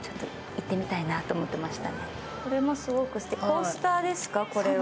コースターですか、これは？